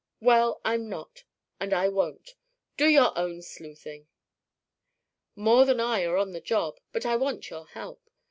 "Well, I'm not. And I won't. Do your own sleuthing." "More than I are on the job, but I want your help.